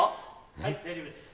はい大丈夫です。